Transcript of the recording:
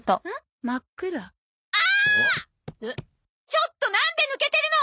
ちょっとなんで抜けてるの！